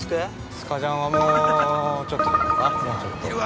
◆スカジャンは、もうちょっとじゃないですか。